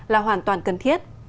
là hoàn toàn cần thiết